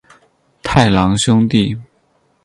太郎兄弟。